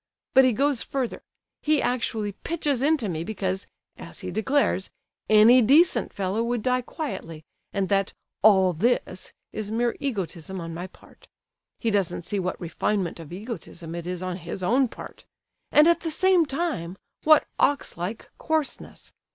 But he goes further, he actually pitches into me because, as he declares, 'any decent fellow' would die quietly, and that 'all this' is mere egotism on my part. He doesn't see what refinement of egotism it is on his own part—and at the same time, what ox like coarseness!